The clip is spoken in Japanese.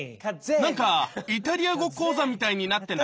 なんかイタリア語講座みたいになってない？